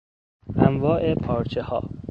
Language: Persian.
انواع پارچهها